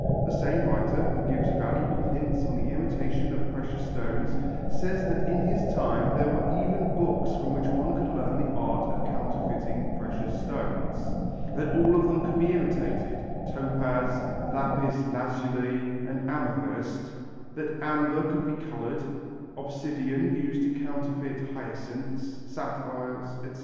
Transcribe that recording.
The same writer, who gives valuable hints on the imitation of precious stones, says that in his time there were even books from which one could learn the art of counterfeiting precious stones, that all of them could be imitated, topaz, lapis lazuli, and amethyst; that amber could be coloured, obsidian used to counterfeit hyacinths, sapphires, etc.